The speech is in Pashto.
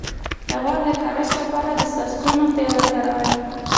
د غوږ د خارش لپاره د سرسونو تېل وکاروئ